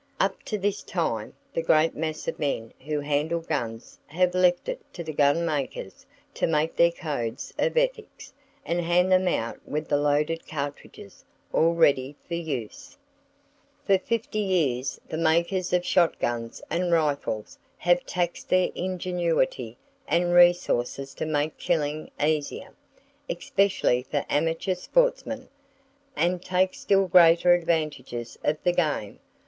Up to this time, the great mass of men who handle guns have left it to the gunmakers to make their codes of ethics, and hand them out with the loaded cartridges, all ready for use. For fifty years the makers of shot guns and rifles have taxed their ingenuity and resources to make killing easier, especially for "amateur" sportsmen,—and take still greater advantages of the game!